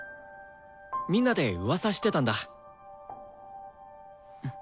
みんなでうわさしてたんだ。